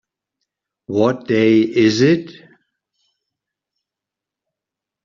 What day is it?